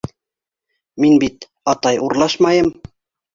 Мин бит, атай, урлашмайым!